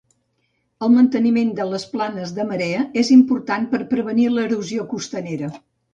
El manteniment de les planes de marea és important per prevenir l'erosió costanera.